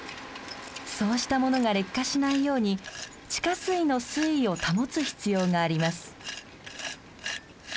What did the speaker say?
そうしたものが劣化しないように地下水の水位を保つ必要があります。